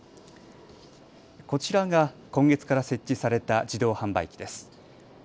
こちらが今月から設置された自動販売機です。